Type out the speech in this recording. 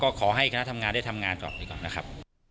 ก็ขอให้คณะทำงานได้ทำงานต่อไปก่อนนะครับ